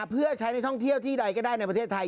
เพื่อใช้ในท่องเที่ยวที่ใดก็ได้ในประเทศไทย